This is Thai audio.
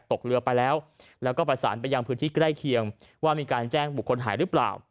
ตกเรือไปแล้วแล้วก็ประสานไปยังพื้นที่ใกล้เคียงว่ามีการแจ้งบุคคลหายหรือเปล่า